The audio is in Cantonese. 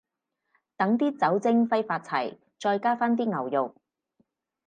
等啲酒精揮發齊，再加返啲牛肉